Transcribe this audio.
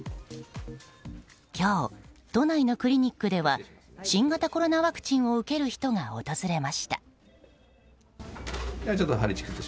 今日、都内のクリニックでは新型コロナワクチンを受ける人が訪れました。